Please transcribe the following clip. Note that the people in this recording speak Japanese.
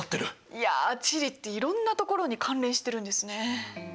いや地理っていろんなところに関連してるんですね。